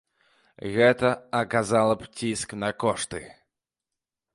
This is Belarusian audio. Гэта аказала б ціск на кошты.